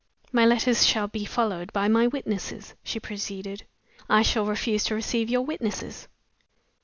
"My letters shall be followed by my witnesses," she proceeded. "I shall refuse to receive your witnesses."